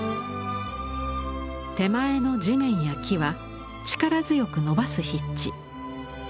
手前の地面や木は力強く伸ばす筆致。